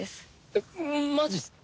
えっマジっすか？